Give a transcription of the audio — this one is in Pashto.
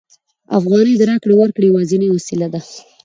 افغانۍ د راکړې ورکړې یوازینۍ وسیله ده